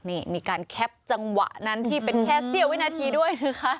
นี่มีการแคปจังหวะนั้นที่เป็นแค่เสี้ยววินาทีด้วยนะคะ